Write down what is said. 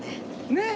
ねっ！